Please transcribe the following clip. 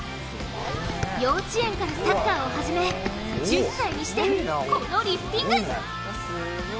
幼稚園からサッカーを始め１０歳にしてこのリフティング。